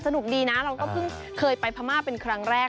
ดีนะเราก็เพิ่งเคยไปพม่าเป็นครั้งแรก